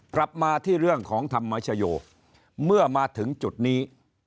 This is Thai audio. กลับมาที่เรื่องของธรรมชโยเมื่อมาถึงจุดนี้